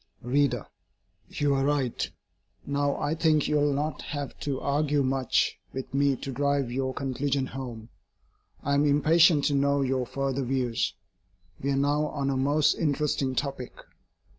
READER: You are right. Now, I think you will not have to argue much with me to drive your conclusions home. I am impatient to know your further views. We are now on a most interesting topic.